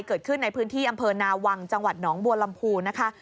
เกิดขึ้นในพื้นที่อำเภอนาวังจังหวัดหนองบัวลำพูนะคะ